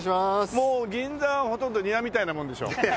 もう銀座はほとんど庭みたいなもんでしょ。